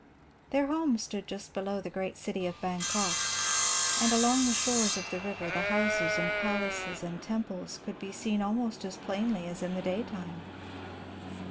Their home stood just below the great city of Bangkok, and along the shores of the river the houses and palaces and temples could be seen almost as plainly as in the daytime.